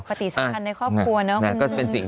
เป็นปฏิสรรคันในครอบครัวนะ